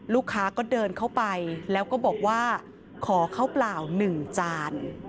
ลูกค้าก็เดินเข้าไปแล้วก็บอกว่าขอข้าวเปล่า๑จาน